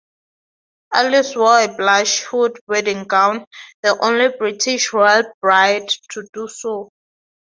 Alice wore a blush-hued wedding gown, the only British Royal bride to do so.